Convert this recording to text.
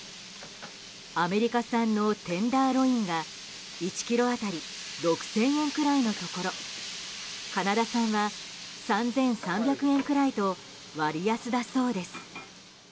アメリカ産のテンダーロインが１ｋｇ当たり６０００円くらいのところカナダ産は３３００円くらいと割安だそうです。